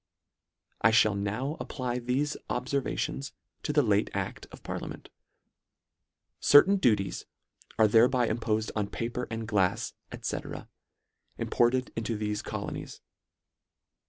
I fliall now apply thefe obfervations to the late acl of parliament. Certain duties are thereby impofed on paper and glafs, &c. im ported into thefe colonies.